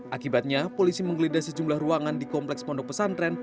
akibatnya polisi menggeledah sejumlah ruangan di kompleks pondok pesantren